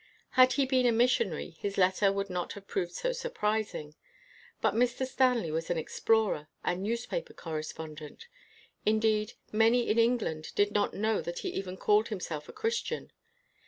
Had he been a missionary, his letter would not have proved so surprising. But Mr. Stanley was an explorer and news paper correspondent. Indeed, many in England did not know that he even called himself a Christian.